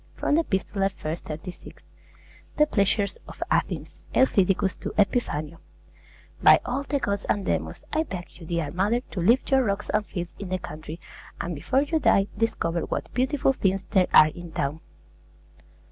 From the 'Epistolae,' i. 36. THE PLEASURES OF ATHENS EUTHYDICUS TO EPIPHANIO By all the gods and demons, I beg you, dear mother, to leave your rocks and fields in the country, and before you die, discover what beautiful things there are in town.